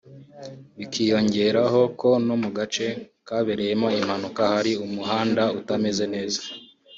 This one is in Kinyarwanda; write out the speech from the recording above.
bikiyongeraho ko no mu gace kabereyemo impanuka hari umuhanda utameze neza